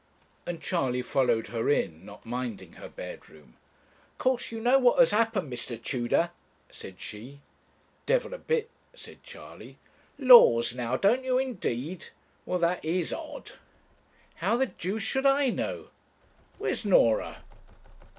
And Charley followed her in, not minding her bedroom. 'Of course you know what has happened, Mr. Tudor?' said she. 'Devil a bit,' said Charley. 'Laws, now don't you indeed? Well, that is odd.' 'How the deuce should I know? Where's Norah?'